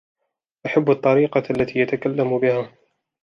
أحب الطريقة التي يتكلم بها.